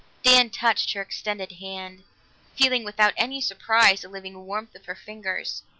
Dan touched her extended hand, feeling without any surprise the living warmth of her fingers.